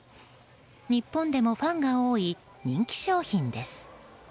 日本でもファンが多い人気商品です。